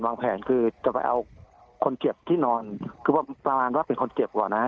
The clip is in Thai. วางแผนคือจะไปเอาคนเจ็บที่นอนคือประมาณว่าเป็นคนเจ็บก่อนนะฮะ